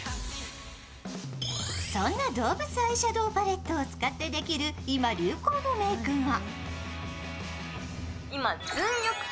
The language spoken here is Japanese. そんな動物アイシャドウパレットを使ってできる、今、流行のメークが？